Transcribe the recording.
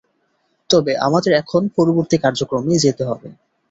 তবে আমাদের এখন পরবর্তী কার্যক্রমে যেতে হবে।